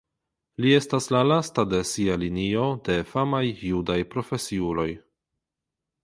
Li estas la lasta de sia linio de famaj judaj profesiuloj.